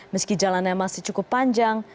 meski jalannya masih cukup panjang